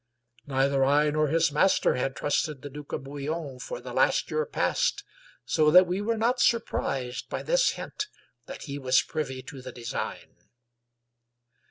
Neither I nor his majesty had trusted the Duke of Bouillon for the last year past, so that we were not surprised by this hint that he was privy to the design.